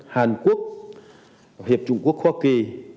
hàn quốc hiệp trung quốc hoa kỳ